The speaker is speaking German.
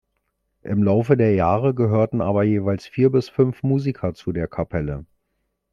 Im Laufe der Jahre gehörten aber jeweils vier bis fünf Musiker zu der Kapelle.